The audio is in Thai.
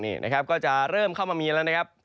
นี่นะครับก็จะเริ่มเข้ามามีแล้วนะครับ